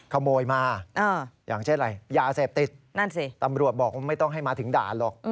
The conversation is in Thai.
ขโมยมาอย่างเช่นอะไรยาเสพติดนั่นสิตำรวจบอกว่าไม่ต้องให้มาถึงด่านหรอก